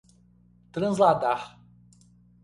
trasladar